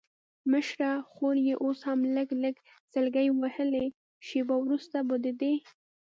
مشره خور یې اوس هم لږ لږ سلګۍ وهلې، شېبه وروسته به د دې.